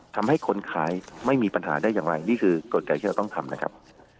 ทำให้คนขายไม่มีปัญหาได้อย่างไรนี่คือกลไกที่เราต้องทำนะครับ